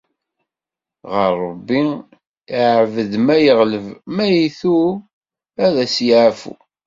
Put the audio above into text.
Ɣer Rebbi lɛebd ma yeɣleḍ, ma itub ad as-yeɛfu.